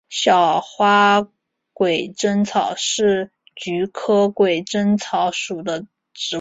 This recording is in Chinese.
小花鬼针草是菊科鬼针草属的植物。